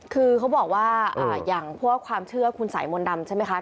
คือเขาบอกว่าอย่างพวกความเชื่อคุณสายมนต์ดำใช่ไหมคะ